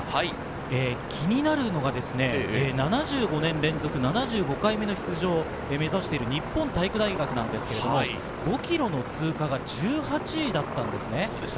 気になるのが、７５年連続７５回目の出場を目指している日本体育大学なんですが、５ｋｍの通過が１８位だったんですね。